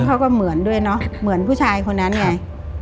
เขาก็เหมือนด้วยเนอะเหมือนผู้ชายคนนั้นไง